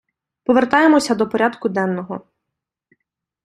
Повертаємось до порядку денного.